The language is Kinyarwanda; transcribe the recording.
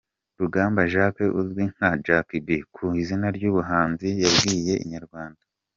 Rugamba Jaques uzwi nka Jack B ku izina ry’ubuhanzi yabwiye Inyarwanda.